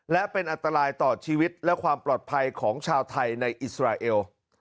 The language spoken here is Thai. และเป็นอันตรายต่อชีวิตและความปลอดภัยของชาวไทยในอิสราเอล